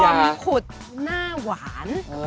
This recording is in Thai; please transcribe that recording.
มีขุดหน้าหวาน